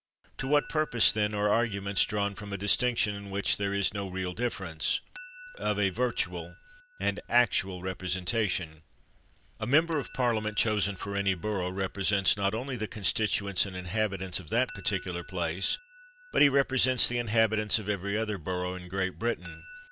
To what purpose, then, are arguments drawn from a distinction, in which there is no real difference, of a virtual and actual repre sentation ? A member of Parliament chosen for any borough represents not only the constituents and 233 MANSFIELD inhabitants of that particular place, but he rep resents the inhabitants of every other borough in Great Britain.